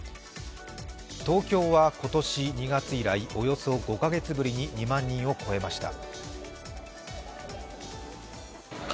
東京は今年２月以来、およそ５カ月ぶりに２万人を超えました。